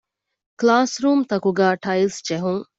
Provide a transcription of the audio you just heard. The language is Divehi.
ކުލާސްރޫމްތަކުގައި ޓައިލްސް ޖެހުން